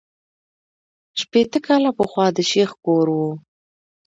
شپېته کاله پخوا د شیخ کور وو.